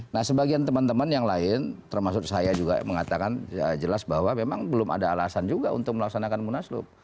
nah sebagian teman teman yang lain termasuk saya juga mengatakan jelas bahwa memang belum ada alasan juga untuk melaksanakan munaslup